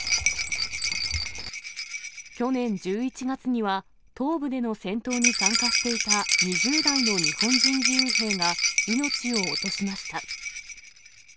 去年１１月には、東部での戦闘に参加していた２０代の日本人義勇兵が命を落としました。